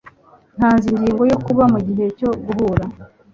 Ntanze ingingo yo kuba mugihe cyo guhura.